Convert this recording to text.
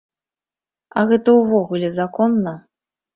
А гэта ўвогуле законна?